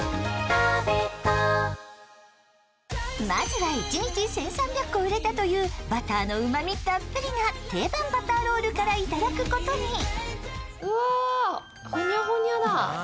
まずは一日１３００個売れたというバターのうまみたっぷりな定番バターロールから頂くことに。